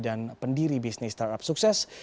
dan pendiri bisnis startup sukses